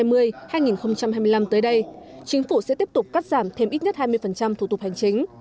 trong giai đoạn hai nghìn hai mươi hai nghìn hai mươi năm tới đây chính phủ sẽ tiếp tục cắt giảm thêm ít nhất hai mươi thủ tục hành chính